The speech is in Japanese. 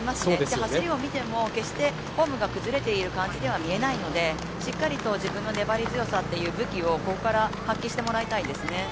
走りを見ても決してフォームが崩れていると負いう感じには見えないのでしっかりと自分の粘り強さという武器をここから発揮してもらいたいですね。